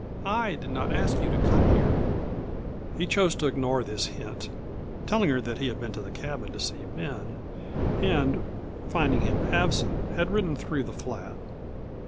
"I did not ask you to come here." He chose to ignore this hint, telling her that he had been to the cabin to see Ben and, finding him absent, had ridden through the flat.